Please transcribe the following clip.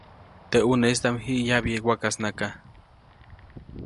Teʼ ʼuneʼistaʼm jiʼ yabye wakasnaka.